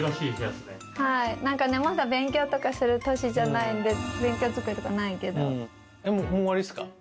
なんかまだ勉強すとかする歳じゃないんで、勉強机とかないけど。